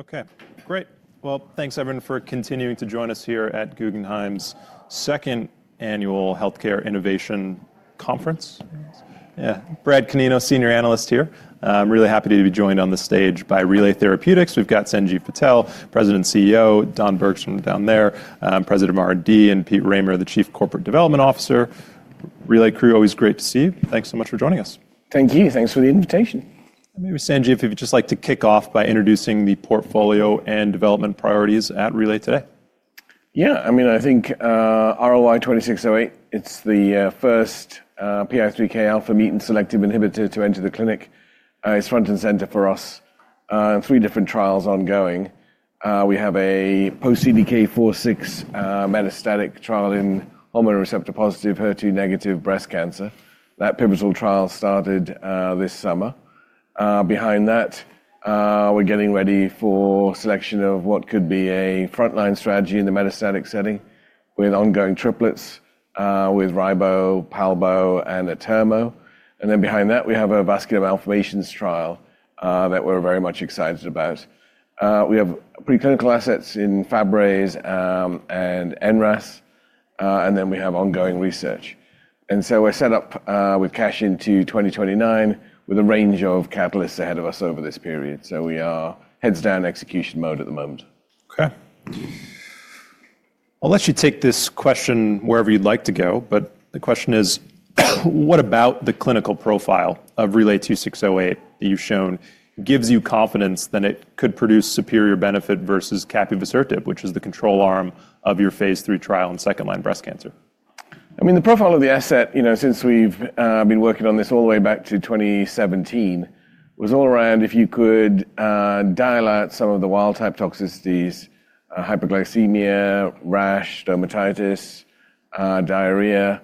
Okay, great. Thanks everyone for continuing to join us here at Guggenheim's second annual healthcare innovation conference. Yeah, Brad Canino, Senior Analyst here. I'm really happy to be joined on the stage by Relay Therapeutics. We've got Sanjiv Patel, President and CEO, Don Bergstrom down there, President R&D, and Pete Rahmer, the Chief Corporate Development Officer. Relay crew, always great to see you. Thanks so much for joining us. Thank you. Thanks for the invitation. Maybe Sanjiv, if you'd just like to kick off by introducing the portfolio and development priorities at Relay today. Yeah, I mean, I think RLY-2608, it's the first PI3Kα mutant selective inhibitor to enter the clinic. It's front and center for us. Three different trials ongoing. We have a post-CDK4/6 metastatic trial in hormone receptor positive, HER2 negative breast cancer. That pivotal trial started this summer. Behind that, we're getting ready for selection of what could be a frontline strategy in the metastatic setting with ongoing triplets with RIBO, PALBO, and abemaciclib. And then behind that, we have a vascular malformations trial that we're very much excited about. We have preclinical assets in KRAS and NRAS, and then we have ongoing research. And so we're set up with cash into 2029 with a range of catalysts ahead of us over this period. We are heads down execution mode at the moment. Okay. I'll let you take this question wherever you'd like to go, but the question is, what about the clinical profile of RLY-2608 that you've shown gives you confidence that it could produce superior benefit versus capivasertib, which is the control arm of your Phase III trial in second line breast cancer? I mean, the profile of the asset, you know, since we've been working on this all the way back to 2017, was all around if you could dial out some of the wild type toxicities, hyperglycemia, rash, dermatitis, diarrhea,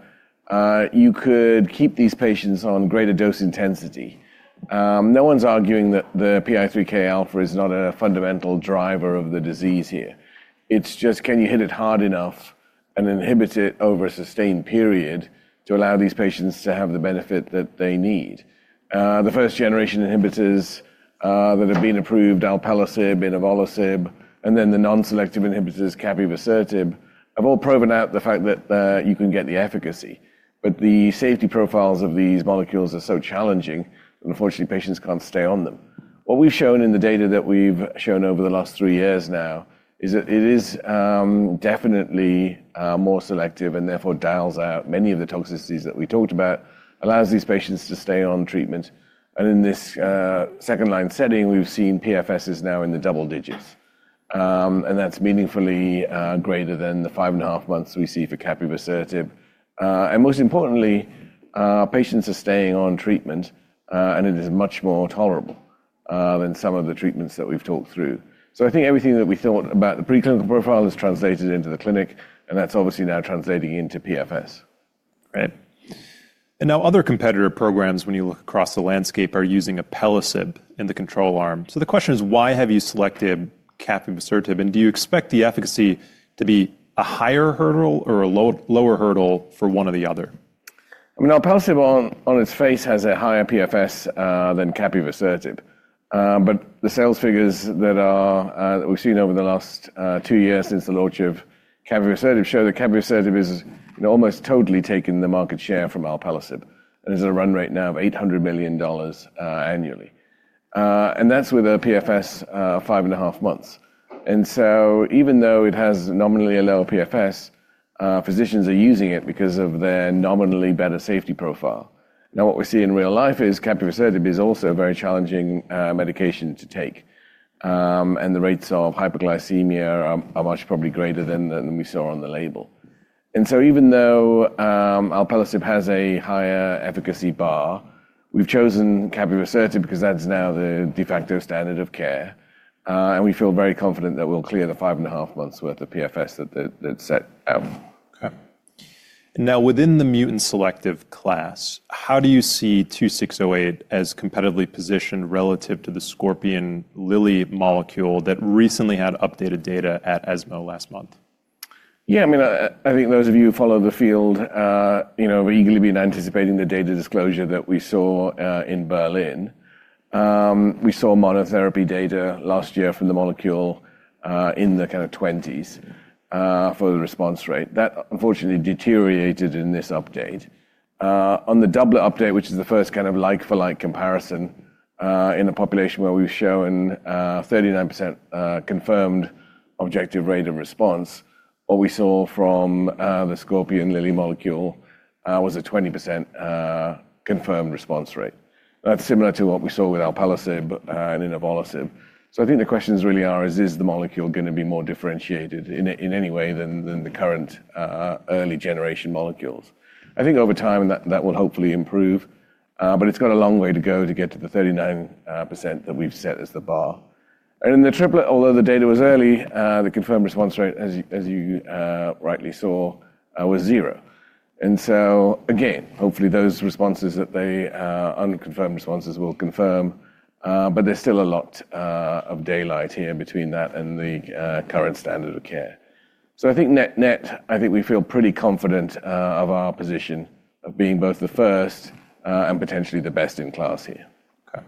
you could keep these patients on greater dose intensity. No one's arguing that the PI3Kα is not a fundamental driver of the disease here. It's just, can you hit it hard enough and inhibit it over a sustained period to allow these patients to have the benefit that they need? The first generation inhibitors that have been approved, alpelisib, inavolisib, and then the non-selective inhibitors, capivasertib, have all proven out the fact that you can get the efficacy. But the safety profiles of these molecules are so challenging that unfortunately patients can't stay on them. What we've shown in the data that we've shown over the last three years now is that it is definitely more selective and therefore dials out many of the toxicities that we talked about, allows these patients to stay on treatment. In this second line setting, we've seen PFSs now in the double digits. That's meaningfully greater than the five and a half months we see for capuzertib. Most importantly, patients are staying on treatment, and it is much more tolerable than some of the treatments that we've talked through. I think everything that we thought about the preclinical profile has translated into the clinic, and that's obviously now translating into PFS. Great. Now, other competitor programs, when you look across the landscape, are using alpelisib in the control arm. The question is, why have you selected capivasertib, and do you expect the efficacy to be a higher hurdle or a lower hurdle for one or the other? I mean, alpelisib on its face has a higher PFS than capivasertib, but the sales figures that we've seen over the last two years since the launch of capivasertib show that capivasertib has almost totally taken the market share from alpelisib and is at a run rate now of $800 million annually. That's with a PFS of 5.5 months. Even though it has nominally a lower PFS, physicians are using it because of their nominally better safety profile. Now what we see in real life is capivasertib is also a very challenging medication to take. The rates of hyperglycemia are much probably greater than we saw on the label. Even though alpelisib has a higher efficacy bar, we've chosen capivasertib because that's now the de facto standard of care. We feel very confident that we'll clear the five and a half months' worth of PFS that's set out. Okay. Now within the mutant selective class, how do you see 2608 as competitively positioned relative to the Scorpion Lilly molecule that recently had updated data at ESMO last month? Yeah, I mean, I think those of you who follow the field, you know, have eagerly been anticipating the data disclosure that we saw in Berlin. We saw monotherapy data last year from the molecule in the kind of 20s for the response rate. That unfortunately deteriorated in this update. On the Dublin update, which is the first kind of like-for-like comparison in a population where we've shown 39% confirmed objective rate of response, what we saw from the Scorpion Lilly molecule was a 20% confirmed response rate. That's similar to what we saw with alpelisib and inavolisib. I think the questions really are is, is the molecule going to be more differentiated in any way than the current early generation molecules? I think over time that will hopefully improve, but it's got a long way to go to get to the 39% that we've set as the bar. In the triplet, although the data was early, the confirmed response rate, as you rightly saw, was zero. Again, hopefully those responses, the unconfirmed responses, will confirm, but there is still a lot of daylight here between that and the current standard of care. I think net, I think we feel pretty confident of our position of being both the first and potentially the best in class here. Okay.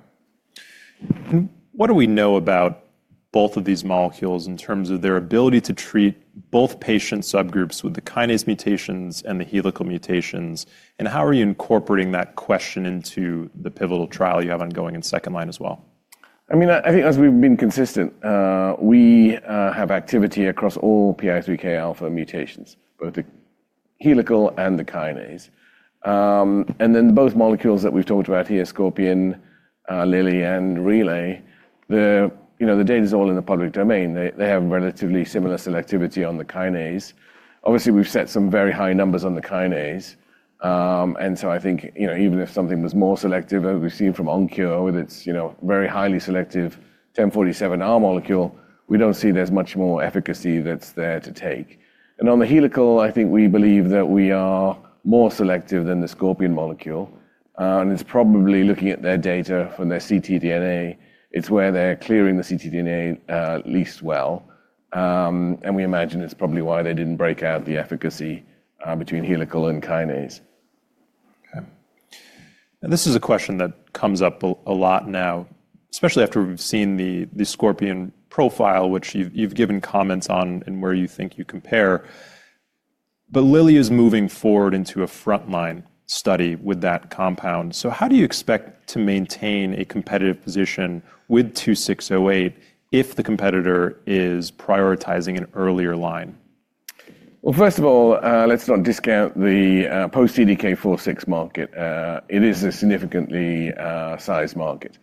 What do we know about both of these molecules in terms of their ability to treat both patient subgroups with the kinase mutations and the helical mutations? How are you incorporating that question into the pivotal trial you have ongoing in second line as well? I mean, I think as we've been consistent, we have activity across all PI3Kα mutations, both the helical and the kinase. And then both molecules that we've talked about here, Scorpion, Lilly, and Relay, the, you know, the data is all in the public domain. They have relatively similar selectivity on the kinase. Obviously, we've set some very high numbers on the kinase. I think, you know, even if something was more selective, as we've seen from OnKure with its, you know, very highly selective 1047R molecule, we don't see there's much more efficacy that's there to take. On the helical, I think we believe that we are more selective than the Scorpion molecule. It's probably looking at their data from their ctDNA. It's where they're clearing the ctDNA least well. We imagine it's probably why they didn't break out the efficacy between helical and kinase. Okay. Now this is a question that comes up a lot now, especially after we've seen the Scorpion profile, which you've given comments on and where you think you compare. But Lilly is moving forward into a frontline study with that compound. How do you expect to maintain a competitive position with 2608 if the competitor is prioritizing an earlier line? First of all, let's not discount the post-CDK4/6 market. It is a significantly sized market,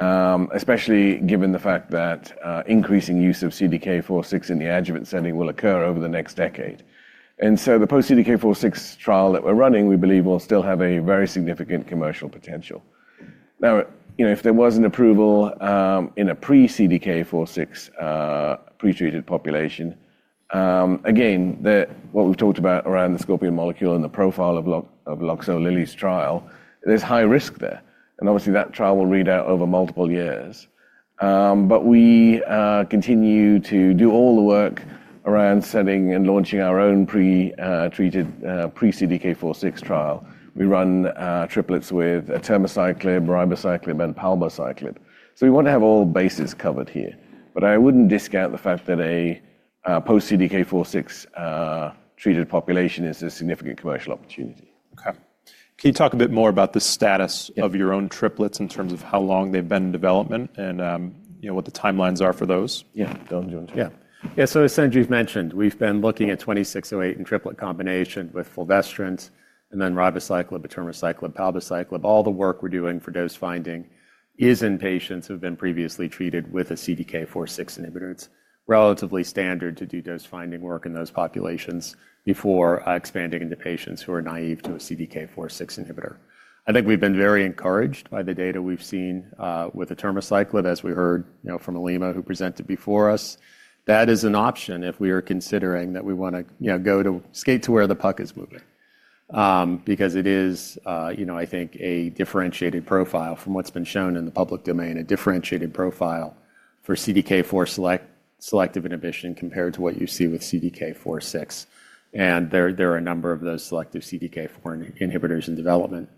especially given the fact that increasing use of CDK4/6 in the adjuvant setting will occur over the next decade. The post-CDK4/6 trial that we're running, we believe will still have a very significant commercial potential. Now, you know, if there was an approval in a pre-CDK4/6 pretreated population, again, what we've talked about around the Scorpion molecule and the profile of Loxo Lilly's trial, there's high risk there. Obviously that trial will read out over multiple years. We continue to do all the work around setting and launching our own pretreated pre-CDK4/6 trial. We run triplets with abemaciclib, ribociclib, and palbociclib. We want to have all bases covered here. I wouldn't discount the fact that a post-CDK4/6 treated population is a significant commercial opportunity. Okay. Can you talk a bit more about the status of your own triplets in terms of how long they've been in development and, you know, what the timelines are for those? Yeah, Don Bergstrom. Yeah. Yeah, so as Sanjiv mentioned, we've been looking at 2608 in triplet combination with fulvestrant and then ribociclib, abemaciclib, palbociclib. All the work we're doing for dose finding is in patients who have been previously treated with a CDK4/6 inhibitor. It's relatively standard to do dose finding work in those populations before expanding into patients who are naive to a CDK4/6 inhibitor. I think we've been very encouraged by the data we've seen with the abemaciclib, as we heard, you know, from Alima, who presented before us. That is an option if we are considering that we want to, you know, go to skate to where the puck is moving. Because it is, you know, I think a differentiated profile from what's been shown in the public domain, a differentiated profile for CDK4 selective inhibition compared to what you see with CDK4/6. There are a number of those selective CDK4 inhibitors in development.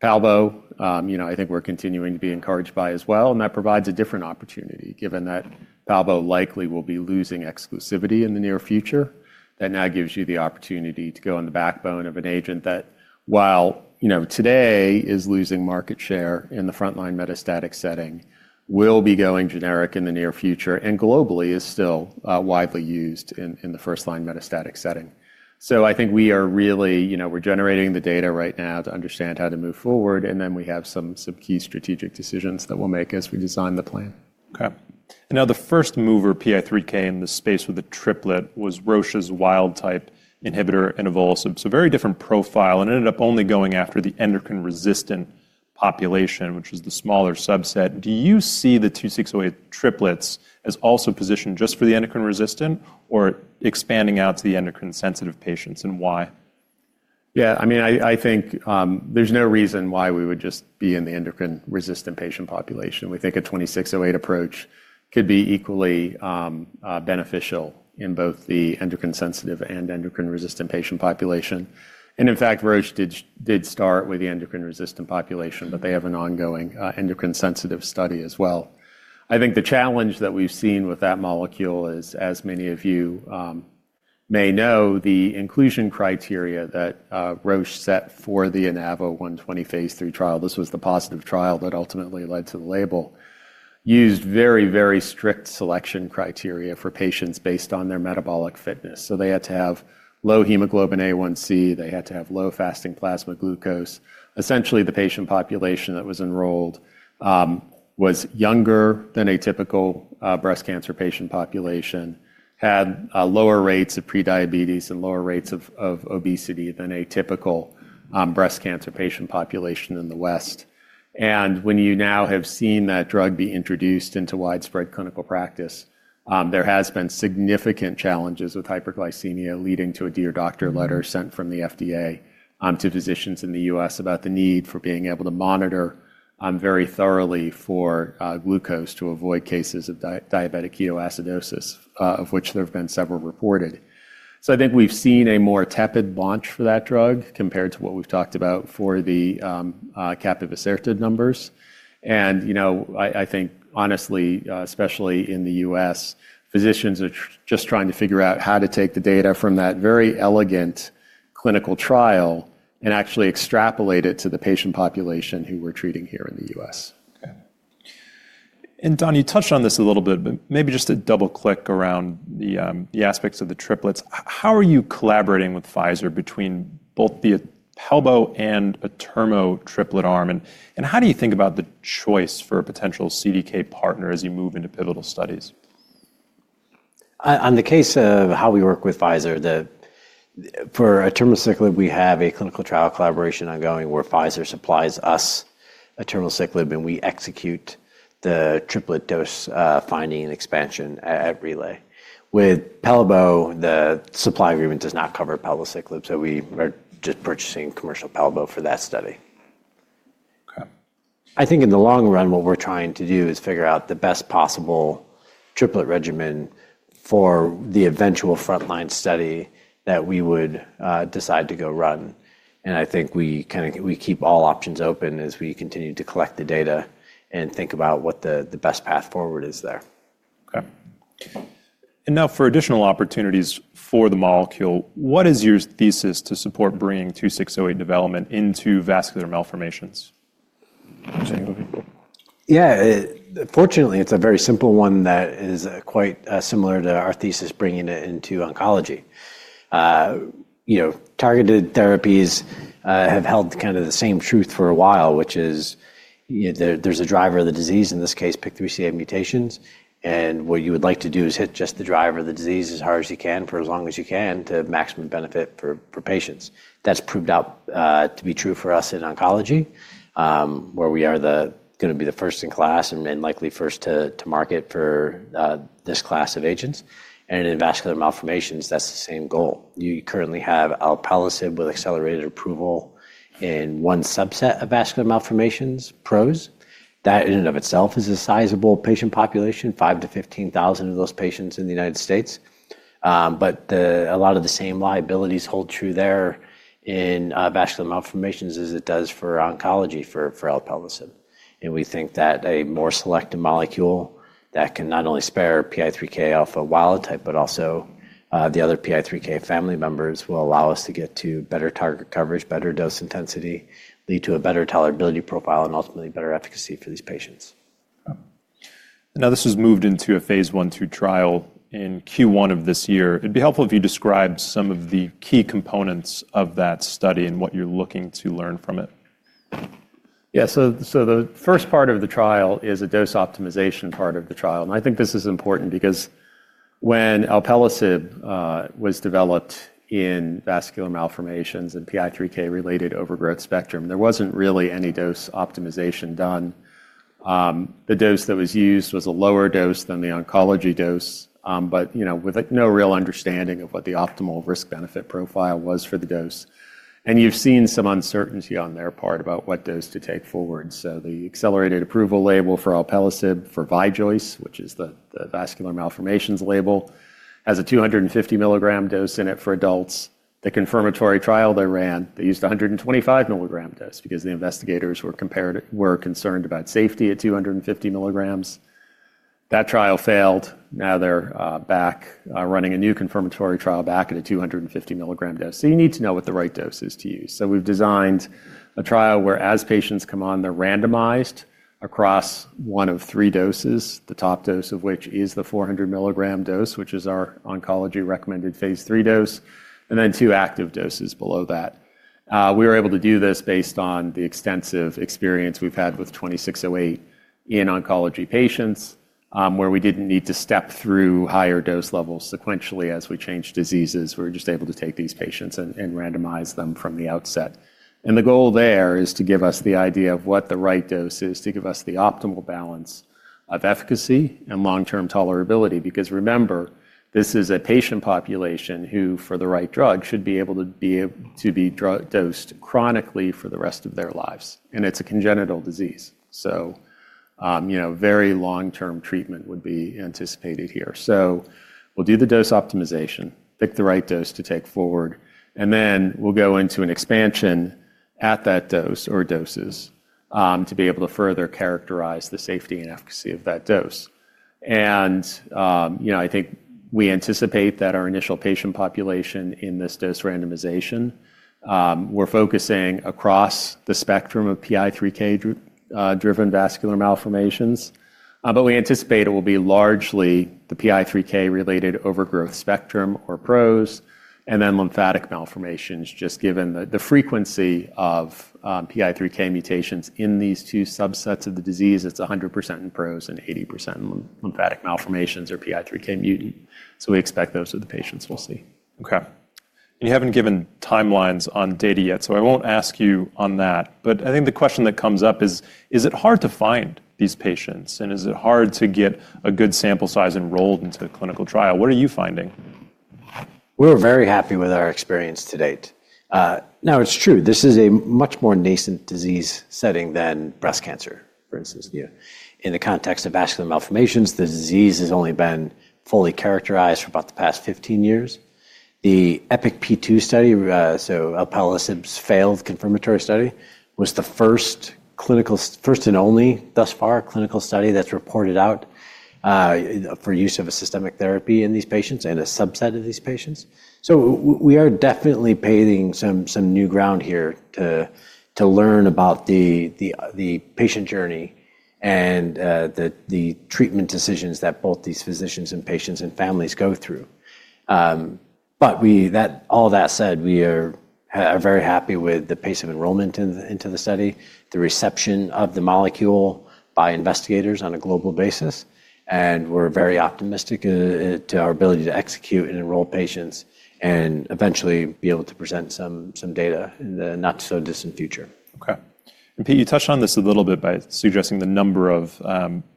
PALBO, you know, I think we're continuing to be encouraged by as well. That provides a different opportunity given that PALBO likely will be losing exclusivity in the near future. That now gives you the opportunity to go on the backbone of an agent that, while, you know, today is losing market share in the frontline metastatic setting, will be going generic in the near future and globally is still widely used in the first line metastatic setting. I think we are really, you know, we're generating the data right now to understand how to move forward. We have some key strategic decisions that we'll make as we design the plan. Okay. Now the first mover PI3K in the space with the triplet was Roche's wild type inhibitor inavolisib. Very different profile and ended up only going after the endocrine-resistant population, which was the smaller subset. Do you see the 2608 triplets as also positioned just for the endocrine-resistant or expanding out to the endocrine-sensitive patients and why? Yeah, I mean, I think there's no reason why we would just be in the endocrine resistant patient population. We think a 2608 approach could be equally beneficial in both the endocrine sensitive and endocrine resistant patient population. In fact, Roche did start with the endocrine resistant population, but they have an ongoing endocrine sensitive study as well. I think the challenge that we've seen with that molecule is, as many of you may know, the inclusion criteria that Roche set for the INAVO 120 Phase III trial. This was the positive trial that ultimately led to the label used very, very strict selection criteria for patients based on their metabolic fitness. They had to have low hemoglobin A1C. They had to have low fasting plasma glucose. Essentially, the patient population that was enrolled was younger than a typical breast cancer patient population, had lower rates of prediabetes and lower rates of obesity than a typical breast cancer patient population in the U.S. When you now have seen that drug be introduced into widespread clinical practice, there have been significant challenges with hyperglycemia leading to a dear doctor letter sent from the FDA to physicians in the U.S. about the need for being able to monitor very thoroughly for glucose to avoid cases of diabetic ketoacidosis, of which there have been several reported. I think we've seen a more tepid launch for that drug compared to what we've talked about for the capuzertib numbers. You know, I think honestly, especially in the U.S., physicians are just trying to figure out how to take the data from that very elegant clinical trial and actually extrapolate it to the patient population who we're treating here in the U.S. Okay. Don, you touched on this a little bit, but maybe just to double click around the aspects of the triplets, how are you collaborating with Pfizer between both the PALBO and abemaciclib triplet arm? How do you think about the choice for a potential CDK partner as you move into pivotal studies? On the case of how we work with Pfizer, for a TERMO cyclid, we have a clinical trial collaboration ongoing where Pfizer supplies us a TERMO cyclid and we execute the triplet dose finding and expansion at Relay. With PALBO, the supply agreement does not cover palbociclib, so we are just purchasing commercial PALBO for that study. Okay. I think in the long run, what we're trying to do is figure out the best possible triplet regimen for the eventual frontline study that we would decide to go run. I think we kind of keep all options open as we continue to collect the data and think about what the best path forward is there. Okay. Now for additional opportunities for the molecule, what is your thesis to support bringing 2608 development into vascular malformations? Yeah, fortunately, it's a very simple one that is quite similar to our thesis bringing it into oncology. You know, targeted therapies have held kind of the same truth for a while, which is there's a driver of the disease, in this case, picked to be PI3Kα mutations. And what you would like to do is hit just the driver of the disease as hard as you can for as long as you can to maximum benefit for patients. That's proved out to be true for us in oncology, where we are going to be the first in class and likely first to market for this class of agents. In vascular malformations, that's the same goal. You currently have alpelisib with accelerated approval in one subset of vascular malformations, PROS. That in and of itself is a sizable patient population, 5,000-15,000 of those patients in the United States. A lot of the same liabilities hold true there in vascular malformations as it does for oncology for alpelisib. We think that a more selective molecule that can not only spare PI3Kα wild type, but also the other PI3K family members will allow us to get to better target coverage, better dose intensity, lead to a better tolerability profile, and ultimately better efficacy for these patients. Now this has moved into a phase one through trial in Q1 of this year. It'd be helpful if you describe some of the key components of that study and what you're looking to learn from it. Yeah, so the first part of the trial is a dose optimization part of the trial. I think this is important because when alpelisib was developed in vascular malformations and PI3K-related overgrowth spectrum, there was not really any dose optimization done. The dose that was used was a lower dose than the oncology dose, but, you know, with no real understanding of what the optimal risk benefit profile was for the dose. You have seen some uncertainty on their part about what dose to take forward. The accelerated approval label for alpelisib for Vijoice, which is the vascular malformations label, has a 250 mg dose in it for adults. The confirmatory trial they ran, they used a 125 mg dose because the investigators were concerned about safety at 250 mgs. That trial failed. Now they are back running a new confirmatory trial back at a 250 mg dose. You need to know what the right dose is to use. We have designed a trial where as patients come on, they are randomized across one of three doses, the top dose of which is the 400 mg dose, which is our oncology recommended Phase III dose, and then two active doses below that. We were able to do this based on the extensive experience we have had with 2608 in oncology patients, where we did not need to step through higher dose levels sequentially as we changed diseases. We were just able to take these patients and randomize them from the outset. The goal there is to give us the idea of what the right dose is to give us the optimal balance of efficacy and long-term tolerability. Because remember, this is a patient population who for the right drug should be able to be dosed chronically for the rest of their lives. It's a congenital disease. You know, very long-term treatment would be anticipated here. We'll do the dose optimization, pick the right dose to take forward, and then we'll go into an expansion at that dose or doses to be able to further characterize the safety and efficacy of that dose. You know, I think we anticipate that our initial patient population in this dose randomization, we're focusing across the spectrum of PI3Kα driven vascular malformations. We anticipate it will be largely the PI3K-related overgrowth spectrum or PROS and then lymphatic malformations, just given the frequency of PI3Kα mutations in these two subsets of the disease. It's 100% in PROS and 80% in lymphatic malformations or PI3Kα mutant. We expect those are the patients we'll see. Okay. You have not given timelines on data yet, so I will not ask you on that. I think the question that comes up is, is it hard to find these patients? Is it hard to get a good sample size enrolled into the clinical trial? What are you finding? We're very happy with our experience to date. Now it's true, this is a much more nascent disease setting than breast cancer, for instance. In the context of vascular malformations, the disease has only been fully characterized for about the past 15 years. The EPIC P2 study, so alpelisib's failed confirmatory study, was the first clinical, first and only thus far clinical study that's reported out for use of a systemic therapy in these patients and a subset of these patients. We are definitely paving some new ground here to learn about the patient journey and the treatment decisions that both these physicians and patients and families go through. All that said, we are very happy with the pace of enrollment into the study, the reception of the molecule by investigators on a global basis. We are very optimistic to our ability to execute and enroll patients and eventually be able to present some data in the not so distant future. Okay. Pete, you touched on this a little bit by suggesting the number of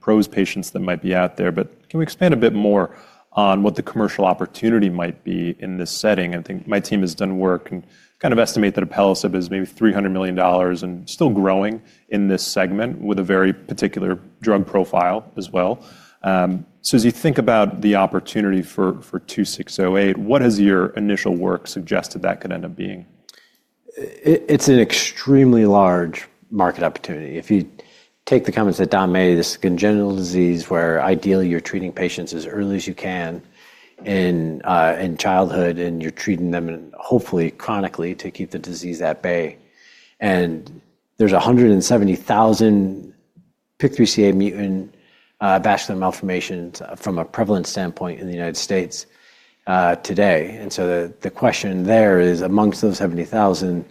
PROS patients that might be out there, but can we expand a bit more on what the commercial opportunity might be in this setting? I think my team has done work and kind of estimate that alpelisib is maybe $300 million and still growing in this segment with a very particular drug profile as well. As you think about the opportunity for 2608, what has your initial work suggested that could end up being? It's an extremely large market opportunity. If you take the comments that Don made, this is a congenital disease where ideally you're treating patients as early as you can in childhood and you're treating them hopefully chronically to keep the disease at bay. There's 170,000 PI3Kα mutant vascular malformations from a prevalence standpoint in the United States today. The question there is amongst those 170,000,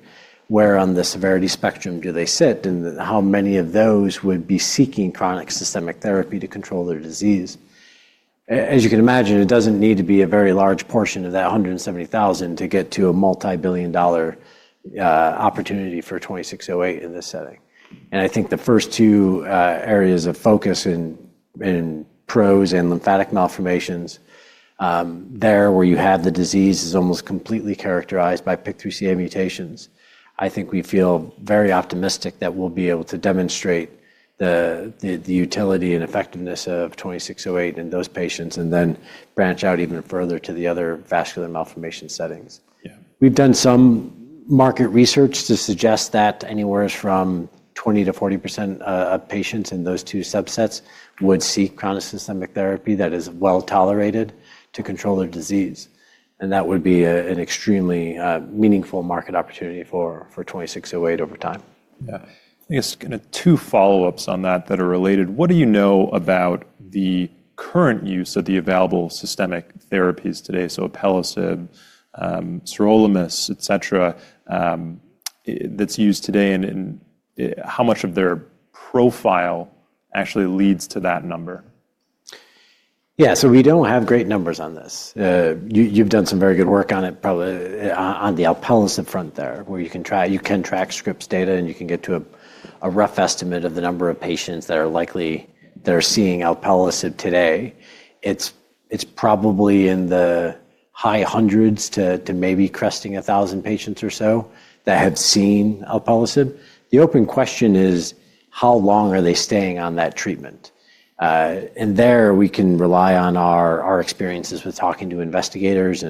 where on the severity spectrum do they sit and how many of those would be seeking chronic systemic therapy to control their disease? As you can imagine, it doesn't need to be a very large portion of that 170,000 to get to a multi-billion dollar opportunity for 2608 in this setting. I think the first two areas of focus in PROS and lymphatic malformations, where you have the disease is almost completely characterized by PI3Kα mutations. I think we feel very optimistic that we'll be able to demonstrate the utility and effectiveness of 2608 in those patients and then branch out even further to the other vascular malformation settings. We've done some market research to suggest that anywhere from 20%-40% of patients in those two subsets would seek chronic systemic therapy that is well-tolerated to control their disease. That would be an extremely meaningful market opportunity for 2608 over time. Yeah. I guess kind of two follow-ups on that that are related. What do you know about the current use of the available systemic therapies today? So alpelisib, sirolimus, et cetera, that's used today and how much of their profile actually leads to that number? Yeah, so we don't have great numbers on this. You've done some very good work on it probably on the alpelisib front there where you can track Scripps data and you can get to a rough estimate of the number of patients that are likely that are seeing alpelisib today. It's probably in the high hundreds to maybe cresting 1,000 patients or so that have seen alpelisib. The open question is how long are they staying on that treatment? There we can rely on our experiences with talking to investigators.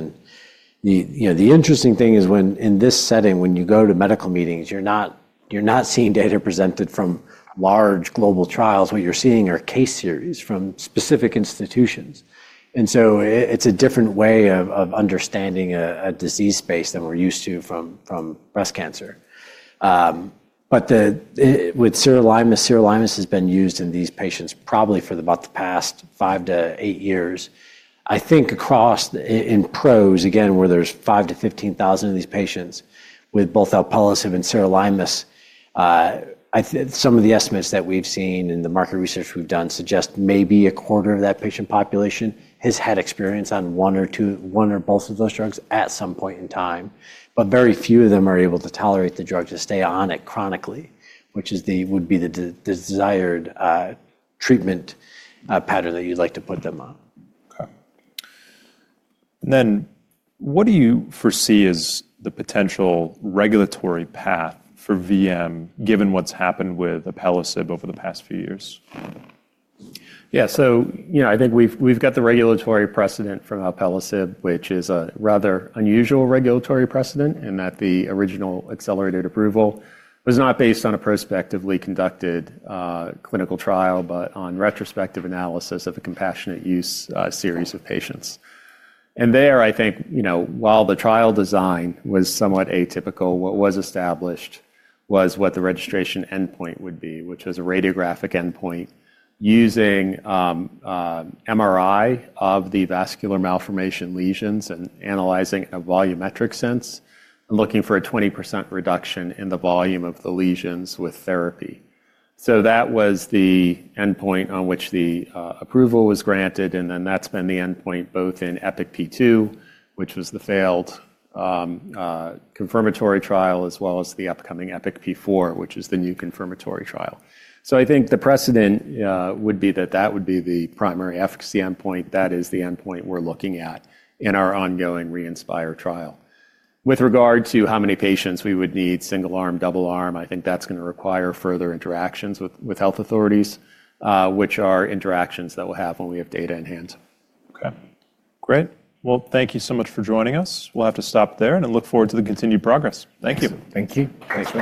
The interesting thing is in this setting, when you go to medical meetings, you're not seeing data presented from large global trials. What you're seeing are case series from specific institutions. It's a different way of understanding a disease space than we're used to from breast cancer. With sirolimus, sirolimus has been used in these patients probably for about the past five to eight years. I think across in PROS, again, where there's 5,000-15,000 of these patients with both alpelisib and sirolimus, some of the estimates that we've seen in the market research we've done suggest maybe a quarter of that patient population has had experience on one or both of those drugs at some point in time. Very few of them are able to tolerate the drug to stay on it chronically, which would be the desired treatment pattern that you'd like to put them on. Okay. What do you foresee as the potential regulatory path for VM given what's happened with alpelisib over the past few years? Yeah, so you know I think we've got the regulatory precedent from alpelisib, which is a rather unusual regulatory precedent in that the original accelerated approval was not based on a prospectively conducted clinical trial, but on retrospective analysis of a compassionate use series of patients. And there I think, you know, while the trial design was somewhat atypical, what was established was what the registration endpoint would be, which was a radiographic endpoint using MRI of the vascular malformation lesions and analyzing a volumetric sense and looking for a 20% reduction in the volume of the lesions with therapy. That was the endpoint on which the approval was granted. That's been the endpoint both in EPIC P2, which was the failed confirmatory trial, as well as the upcoming EPIC P4, which is the new confirmatory trial. I think the precedent would be that that would be the primary efficacy endpoint. That is the endpoint we're looking at in our ongoing re-inspire trial. With regard to how many patients we would need, single arm, double arm, I think that's going to require further interactions with health authorities, which are interactions that we'll have when we have data in hand. Okay. Great. Thank you so much for joining us. We'll have to stop there and look forward to the continued progress. Thank you. Thank you. Thanks.